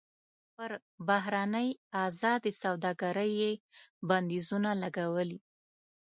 پر بهرنۍ ازادې سوداګرۍ یې بندیزونه لګولي.